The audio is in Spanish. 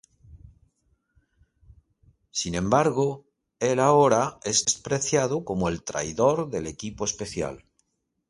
Sin embargo, el ahora es despreciado como el "Traidor del equipo especial".